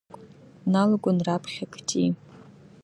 Дналагон раԥхьа Кти.